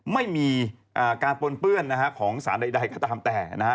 ไม่มีการปนเปื้อนนะฮะของสารใดก็ตามแต่นะฮะ